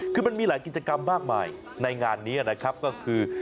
คือมันมีหลายกิจกรรมมากมายในงานนี้นะครับก็คือ